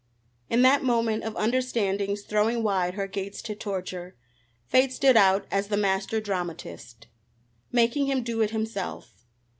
In that moment of understanding's throwing wide her gates to torture, fate stood out as the master dramatist. Making him do it himself!